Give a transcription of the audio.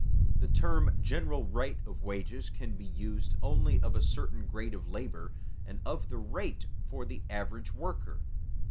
_The term general rate of wages can be used only of a certain grade of labor and of the rate for the average worker.